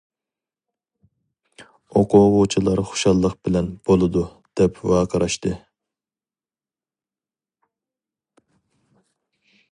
ئوقۇغۇچىلار خۇشاللىق بىلەن: «بولىدۇ! » دەپ ۋارقىراشتى.